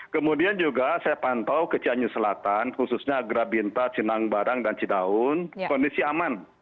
kemudian juga saya pantau ke cianjur selatan khususnya agrabinta cinang barang dan cidaun kondisi aman